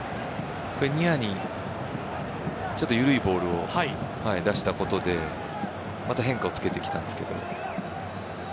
ニアにちょっと緩いボールを出したことでまた変化をつけてきたんですけど。